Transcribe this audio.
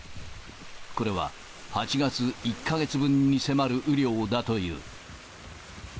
これは８月１か月分に迫る雨量だという。